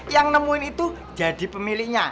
yang nemuin itu jadi pemiliknya